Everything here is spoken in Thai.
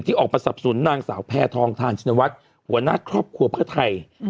ออกมาสับสนนางสาวแพทองทานชินวัฒน์หัวหน้าครอบครัวเพื่อไทย